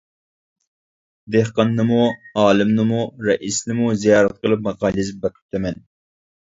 دېھقاننىمۇ، ئالىمنىمۇ، رەئىسنىمۇ زىيارەت قىلىپ ماقالە يېزىپ بېقىپتىمەن.